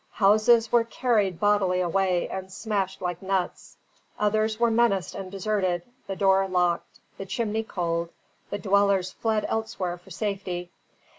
Houses were carried bodily away and smashed like nuts; others were menaced and deserted, the door locked, the chimney cold, the dwellers fled elsewhere for safety.